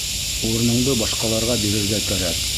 Урыныңды башҡаларға бирергә кәрәк.